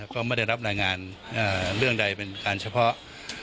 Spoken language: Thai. ก็ไม่ได้รับรายงานเรื่องใดเป็นการเฉพาะ